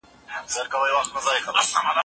پيغمبر د ژبي ساتنه د نجات لاره بللې.